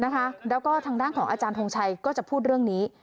แล้วก็ทางด้านของอาจารย์ทงชัยก็จะพูดเรื่องนี้